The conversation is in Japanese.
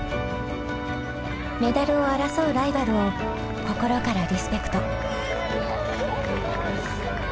メダルを争うライバルを心からリスペクト。